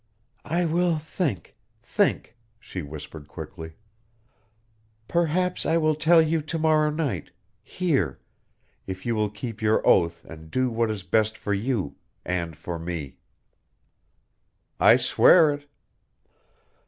"I will think think " she whispered quickly. "Perhaps I will tell you to morrow night here if you will keep your oath and do what is best for you and for me." "I swear it!"